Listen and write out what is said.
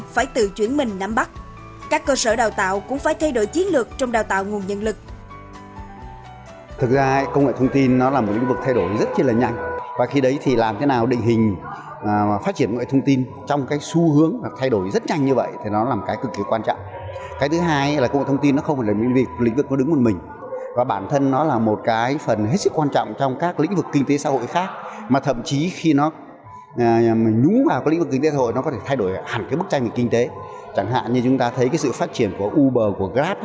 phải tự chuyển mình nắm bắt các cơ sở đào tạo cũng phải thay đổi chiến lược trong đào tạo nguồn nhân lực